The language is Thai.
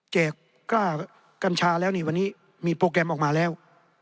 กล้ากัญชาแล้วนี่วันนี้มีโปรแกรมออกมาแล้ว